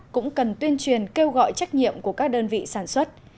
cũng cần tuyên truyền kêu gọi trách nhiệm của các đơn vị sản xuất